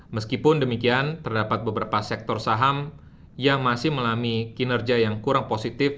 meskipun demikian terdapat beberapa sektor saham yang masih melami kinerja yang kurang positif